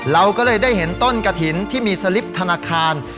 เราก็เลยได้เห็นต้นกระถิ่นที่มีสลิปธนาคาร